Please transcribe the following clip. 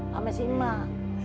sama si emak